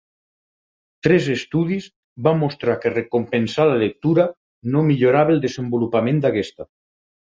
Tres estudis van mostrar que recompensar la lectura no millorava el desenvolupament d'aquesta.